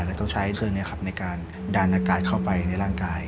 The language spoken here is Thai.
แต่ต้องใช้เครื่องนี้ครับในการดันอากาศเข้าไปในร่างกาย